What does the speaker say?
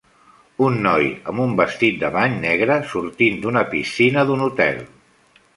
Un noi amb un vestit de bany negre sortint d'una piscina d'un hotel.